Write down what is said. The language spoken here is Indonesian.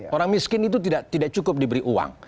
orang miskin itu tidak cukup diberi uang